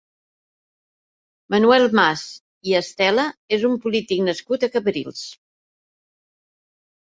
Manuel Mas i Estela és un polític nascut a Cabrils.